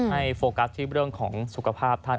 โฟกัสที่เรื่องของสุขภาพท่าน